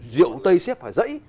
rượu tây xếp phải dãy